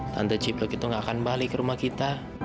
tante cipluk itu gak akan balik ke rumah kita